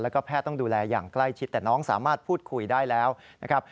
แล้วก็แพทย์ต้องดูแลอย่างใกล้ชิดแต่น้องสามารถพูดคุยได้แล้วนะครับ